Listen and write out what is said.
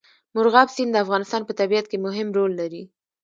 مورغاب سیند د افغانستان په طبیعت کې مهم رول لري.